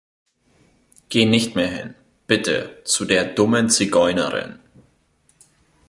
Geh nicht mehr hin, bitte, zu der dummen Zigeunerin!